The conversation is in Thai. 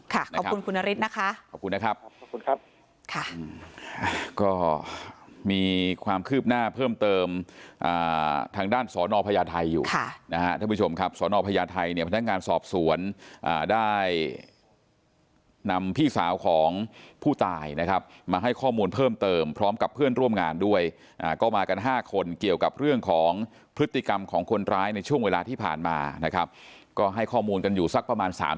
ขอบคุณคุณนฤทธิ์นะคะขอบคุณนะครับขอบคุณครับค่ะก็มีความคืบหน้าเพิ่มเติมทางด้านสอนอพญาไทยอยู่นะฮะท่านผู้ชมครับสอนอพญาไทยเนี่ยพนักงานสอบสวนได้นำพี่สาวของผู้ตายนะครับมาให้ข้อมูลเพิ่มเติมพร้อมกับเพื่อนร่วมงานด้วยก็มากัน๕คนเกี่ยวกับเรื่องของพฤติกรรมของคนร้ายในช่วงเวลาที่ผ่านมานะครับก็ให้ข้อมูลกันอยู่สักประมาณสาม